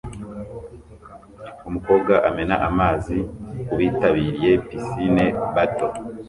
Umukobwa amena amazi kubitabiriye pisine bato